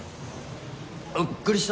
びっくりした！